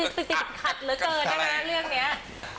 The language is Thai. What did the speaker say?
ถัดเหลอะเกินละนะเรื่องเรื่องนี้